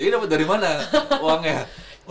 jadi dapet dari mana uangnya